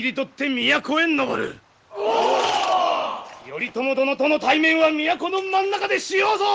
頼朝殿との対面は都の真ん中でしようぞ！